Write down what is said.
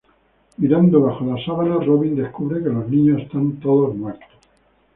Mirando bajo las sábanas, Robin descubre que los niños están todos muertos.